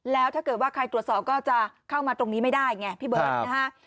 แล้วถ้าเกิดว่าใครตรวจสอบก็จะเข้ามาตรงนี้ไม่ได้ไงพี่เบิร์ตนะฮะ